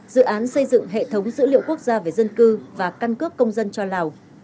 dự án xây dựng hệ thống dữ liệu quốc gia về dân cư và căn cước công dân cho lào